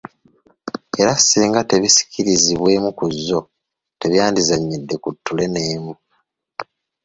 Era singa tebisikirizbwa emu ku zzo, tebyandizannyidde ku ttule n’emu.